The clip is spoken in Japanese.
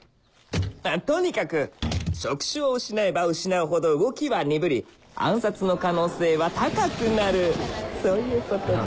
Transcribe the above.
とにかく触手を失えば失うほど動きは鈍り暗殺の可能性は高くなるそういうことです